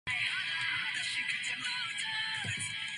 He then pursued a career in the offices of the Great Western Railway.